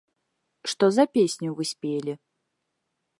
Што за песню вы спелі?